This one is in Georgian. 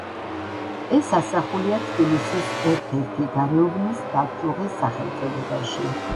ეს ასახულია თბილისის ერთ-ერთი გარეუბნის ნავთლუღის სახელწოდებაში.